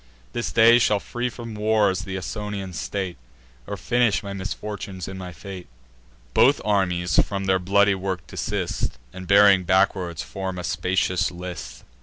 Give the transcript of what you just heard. This day shall free from wars th' Ausonian state, Or finish my misfortunes in my fate." Both armies from their bloody work desist, And, bearing backward, form a spacious list.